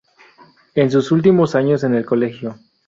En sus últimos años en el colegio.